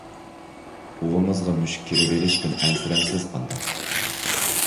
ئۇۋىڭىزغا مۈشۈك كىرىۋېلىشتىن ئەنسىرەمسىز قانداق؟